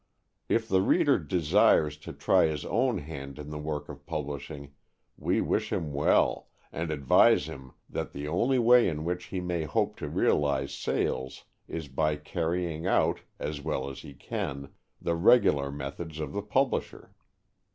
If the reader desires to try his own hand in the work of publishing, we wish him well, and advise him that the only way in which he may hope to realize sales is by carrying out, as well as he can, the regular methods of the publisher.